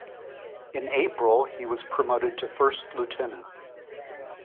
In April, he was promoted to first lieutenant.